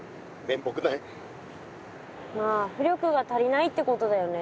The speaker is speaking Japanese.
まあ浮力が足りないってことだよね。